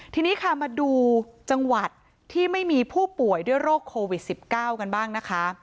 ทีนี้ค่ะมาดูจังหวัดที่ไม่มีผู้ป่วยด้วยโรคโควิด๑๙กันบ้างนะคะ